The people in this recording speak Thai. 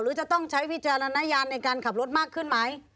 จะต้องใช้วิจารณญาณในการขับรถมากขึ้นไหม